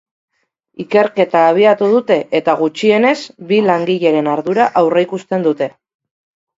Ikerketa abiatu dute eta gutxienez bi langileren ardura aurreikusten dute.